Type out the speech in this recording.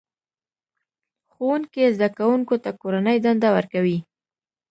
ښوونکی زده کوونکو ته کورنۍ دنده ورکوي